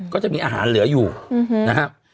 ก็จะมีอาหารเหลืออยู่นะครับ